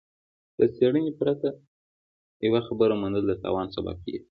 له څېړنې پرته يوه خبره منل د تاوان سبب کېږي.